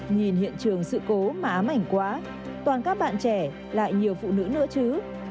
nhìn hiện trường sự cố mà ám ảnh quá toàn các bạn trẻ lại nhiều phụ nữ nữa chứ